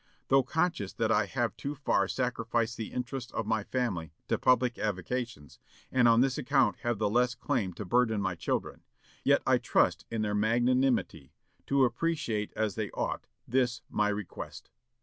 Though conscious that I have too far sacrificed the interests of my family to public avocations, and on this account have the less claim to burden my children, yet I trust in their magnanimity to appreciate as they ought this my request.